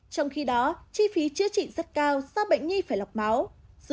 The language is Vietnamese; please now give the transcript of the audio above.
trong khi đó chi phí chữa trị rất cao do bệnh nhi phải lọc máu